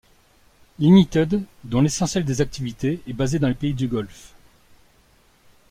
Ltd., dont l'essentiel des activités est basé dans les pays du Golfe.